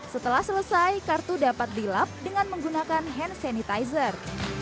setelah selesai kartu dapat dilap dengan menggunakan hand sanitizer